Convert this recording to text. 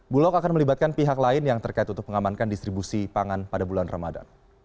bulog akan melibatkan pihak lain yang terkait untuk mengamankan distribusi pangan pada bulan ramadan